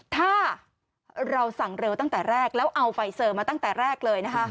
ถ้าเราสั่งเร็วตั้งแต่แรกแล้วเอาไฟเซอร์มาตั้งแต่แรกเลยนะคะ